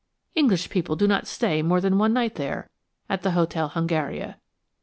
English people do not stay more than one night there, at the Hotel Hungaria.